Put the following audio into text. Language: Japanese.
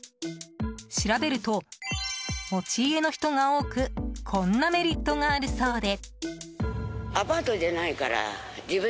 調べると、持ち家の人が多くこんなメリットがあるそうで。